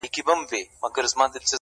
په درد آباد کي، ویر د جانان دی,